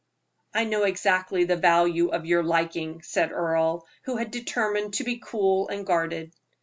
"I know exactly the value of your liking," said Earle, who had determined to be cool and guarded.